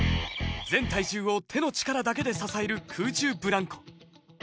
全体重を手の力だけで支える空中ブランコ。